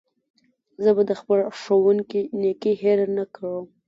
زه به د خپل ښوونکي نېکي هېره نه کړم.